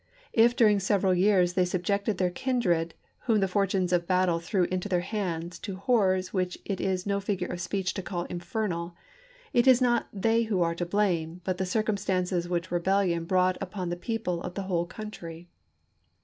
If during several years they subjected their kindred whom the for tunes of battle threw into their hands to horrors which it is no figure of speech to call infernal, it is not they who are to blame, but the circumstances which rebellion brought upon the people of the whole country.